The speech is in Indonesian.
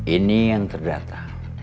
ini yang terdata